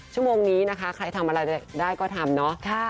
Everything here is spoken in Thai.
ชั่วโมงนี้นะคะใครทำอะไรได้ก็ทำเนาะ